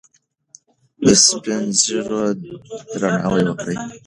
د سپین ږیرو درناوی وکړئ.